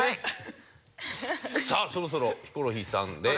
さあそろそろヒコロヒーさんで。